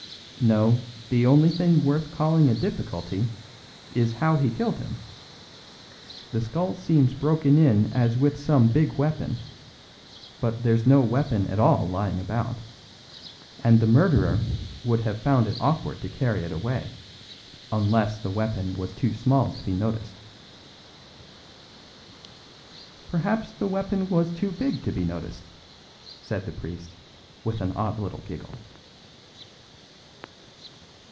No, the only thing worth calling a difficulty is how he killed him. The skull seems broken as with some big weapon, but there's no weapon at all lying about, and the murderer would have found it awkward to carry it away, unless the weapon was too small to be noticed." "Perhaps the weapon was too big to be noticed," said the priest, with an odd little giggle.